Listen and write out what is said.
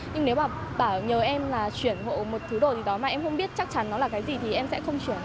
nhưng nếu mà bảo nhờ em là chuyển hộ một thứ đồ gì đó mà em không biết chắc chắn nó là cái gì thì em sẽ không chuyển